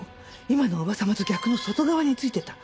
今の叔母様と逆の外側についてた。